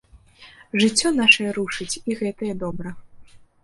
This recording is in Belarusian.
Жыццё нашае рушыць і гэтае добра.